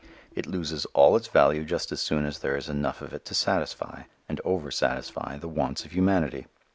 It loses all its value just as soon as there is enough of it to satisfy, and over satisfy the wants of humanity.